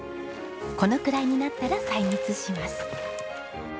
このくらいになったら採蜜します。